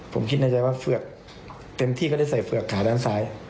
ผมคิดในใจว่าเฝือกเต็มที่ก็ได้ใส่เฝือกขาด้านซ้าย